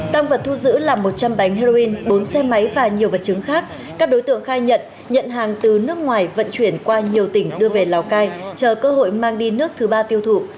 tăng vật thu giữ là một trăm linh bánh heroin bốn xe máy và nhiều vật chứng khác các đối tượng khai nhận nhận hàng từ nước ngoài vận chuyển qua nhiều tỉnh đưa về lào cai chờ cơ hội mang đi nước thứ ba tiêu thụ